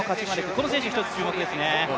この選手、注目ですね。